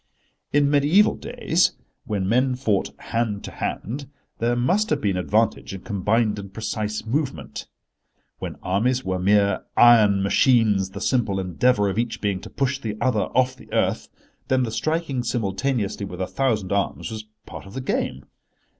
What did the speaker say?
In mediæval days, when men fought hand to hand, there must have been advantage in combined and precise movement. When armies were mere iron machines, the simple endeavour of each being to push the other off the earth, then the striking simultaneously with a thousand arms was part of the game.